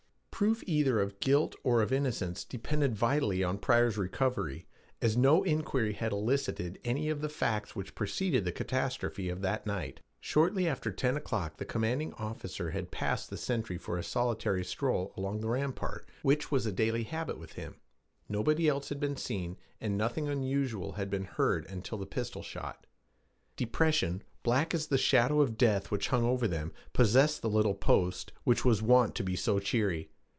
Proof either of guilt or of innocence depended vitally on Pryor's recovery, as no inquiry had elicited any of the facts which preceded the catastrophe of that night. Shortly after ten o'clock the commanding officer had passed the sentry for a solitary stroll along the rampart, which was a daily habit with him; nobody else had been seen, and nothing unusual had been heard until the pistol shot. Depression, black as the shadow of death which over hung them, possessed the little post which was wont to be so cheery.